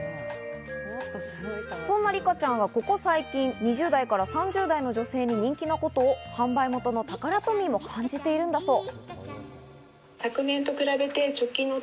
そんなリカちゃんはここ最近２０代から３０代の女性に人気なことを販売元のタカラトミーも感じているんだそう。